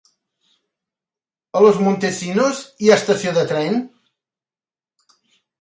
A Los Montesinos hi ha estació de tren?